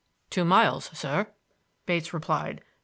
"Two miles, sir," Bates replied.